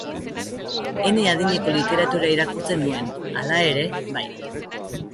Ene adineko literatura irakurtzen nuen, hala ere, bai.